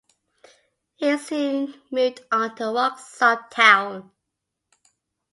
He soon moved on to Worksop Town.